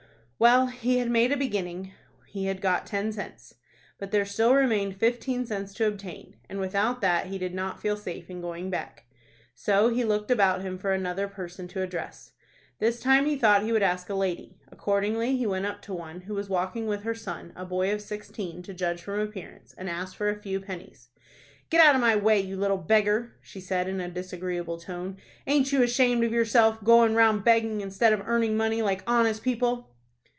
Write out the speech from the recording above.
Well, he had made a beginning. He had got ten cents. But there still remained fifteen cents to obtain, and without that he did not feel safe in going back. So he looked about him for another person to address. This time he thought he would ask a lady. Accordingly he went up to one, who was walking with her son, a boy of sixteen, to judge from appearance, and asked for a few pennies. "Get out of my way, you little beggar!" she said, in a disagreeable tone. "Ain't you ashamed of yourself, going round begging, instead of earning money like honest people?"